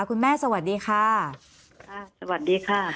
คุณแม่สวัสดีค่ะสวัสดีค่ะ